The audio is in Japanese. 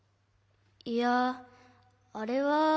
いやあれは。